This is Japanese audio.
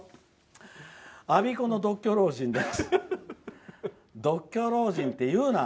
我孫子の独居老人です。